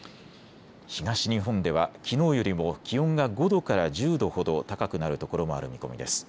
東日本ではきのうよりも気温が５度から１０度ほど高くなるところもある見込みです。